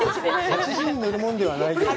８時に乗るものではないよな。